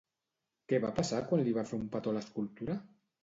Què va passar quan li va fer un petó a l'escultura?